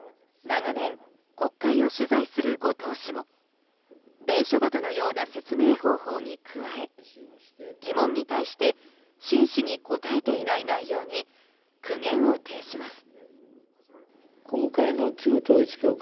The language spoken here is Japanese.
長年、国会を取材する後藤氏も伝書バトのような説明方法に加え疑問に対して真摯に答えていない内容に苦言を呈します。